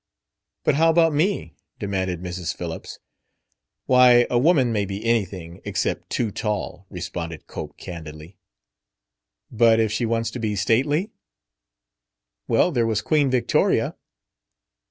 "But how about me?" demanded Mrs. Phillips. "Why, a woman may be anything except too tall," responded Cope candidly. "But if she wants to be stately?" "Well, there was Queen Victoria."